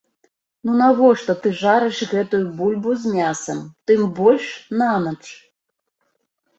Ну навошта ты жарэш гэтую бульбу з мясам, тым больш, на ноч!